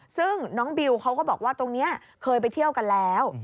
ซึ่งน้องบิวเขาก็บอกว่าตรงนี้เคยไปเที่ยวกันแล้ว